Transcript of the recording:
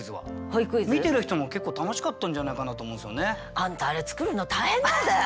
あんたあれ作るの大変なんだよ！